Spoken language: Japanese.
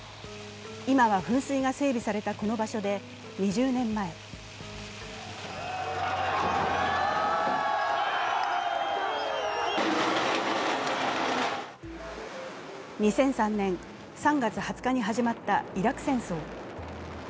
今は噴水が整備されたこの場所で２０年前２００３年３月２０日に始まったイラク戦争。